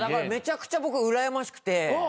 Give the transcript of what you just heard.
めちゃくちゃ僕うらやましくて。